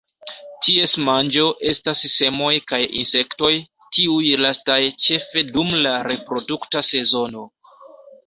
Ties manĝo estas semoj kaj insektoj, tiuj lastaj ĉefe dum la reprodukta sezono.